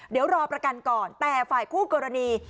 เดี๋ยวรอประกันก่อนแต่ฝ่ายคู่กรณี